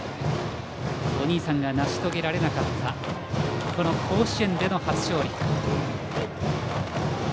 お兄さんが成し遂げられなかったこの甲子園での初勝利。